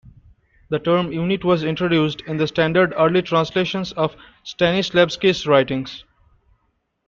The term unit was introduced in the standard early translations of Stanislavsky's writings.